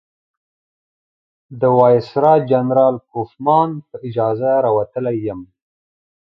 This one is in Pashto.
د وایسرا جنرال کوفمان په اجازه راوتلی یم.